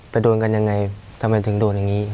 โดนกันยังไงทำไมถึงโดนอย่างนี้